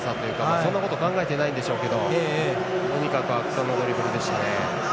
そんなこと考えてないんでしょうけどとにかく圧巻のドリブルでしたね。